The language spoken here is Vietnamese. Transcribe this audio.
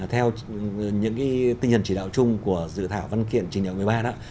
theo những tình hình chỉ đạo chung của dự thảo văn kiện trình đạo một mươi ba đó